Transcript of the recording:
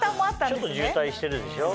ちょっと渋滞してるでしょ。